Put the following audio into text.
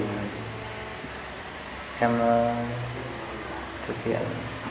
thì xem nó thực hiện